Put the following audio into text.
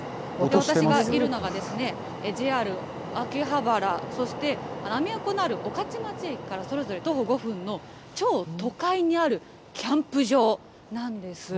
私がいるのはＪＲ秋葉原、そしてアメ横のある御徒町駅からそれぞれ徒歩５分の超都会にあるキャンプ場なんです。